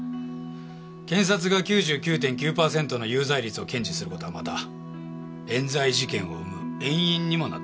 検察が９９．９パーセントの有罪率を堅持する事はまた冤罪事件を生む遠因にもなっている。